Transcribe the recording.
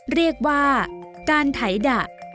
เรียกว่าการไถดะ